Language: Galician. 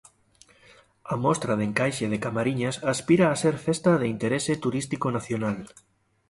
A mostra de encaixe de Camariñas aspira a ser Festa de Interese Turístico Nacional.